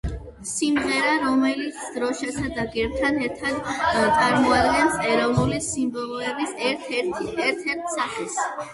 სიმღერა, რომელიც დროშასა და გერბთან ერთად წარმოადგენს ეროვნული სიმბოლოების ერთ-ერთ სახეს.